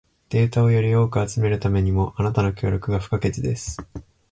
データをより多く集めるためにも、あなたの協力が不可欠です。